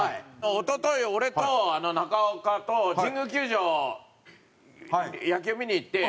一昨日俺と中岡と神宮球場野球見に行って。